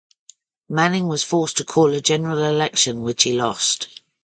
Manning was forced to call a General Election which he lost.